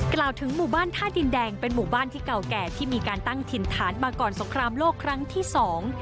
กล่าวถึงหมู่บ้านท่าดินแดงเป็นหมู่บ้านที่เก่าแก่ที่มีการตั้งถิ่นฐานมาก่อนสงครามโลกครั้งที่สอง